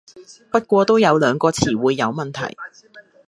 不過都有兩個詞彙有問題